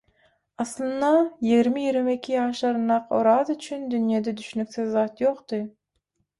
Aslynda, ýigrimi-ýigrimiki ýaşlaryndaky Oraz üçin dünýede düşnüksiz zat ýokdy.